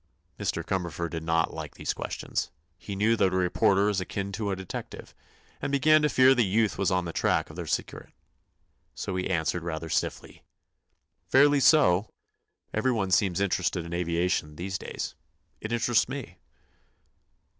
Mr. Cumberford did not like these questions. He knew that a reporter is akin to a detective, and began to fear the youth was on the track of their secret. So he answered rather stiffly: "Fairly so. Everyone seems interested in aviation these days. It interests me."